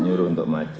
nyuruh untuk maju